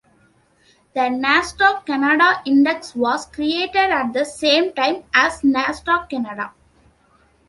The Nasdaq Canada Index was created at the same time as Nasdaq Canada.